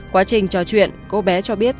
quá trình trò chuyện cô bé cho biết